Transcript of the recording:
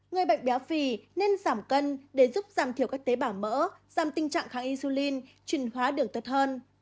người bệnh béo phì nên giảm cân để giúp giảm thiểu các tế bảo mỡ giảm tình trạng kháng insulin trình hóa đường tuyết hơn